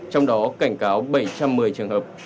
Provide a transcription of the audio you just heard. trong đó cảnh cáo bảy trăm một mươi trường hợp